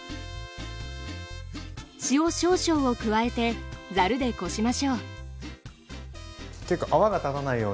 塩少々を加えてざるでこしましょう。